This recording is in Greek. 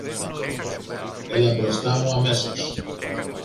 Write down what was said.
Έλα μπροστά μου, αμέσως!